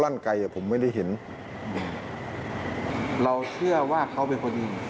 เราเชื่อว่าเขาเป็นคนยิง